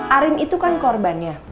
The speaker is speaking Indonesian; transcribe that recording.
arin itu kan korbannya